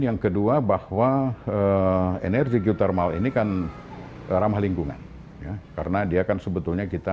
yang kedua bahwa energi geothermal ini kan ramah lingkungan karena dia akan sebetulnya kita